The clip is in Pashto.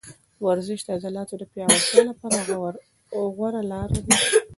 ورزش د عضلاتو د پیاوړتیا لپاره غوره لاره ده.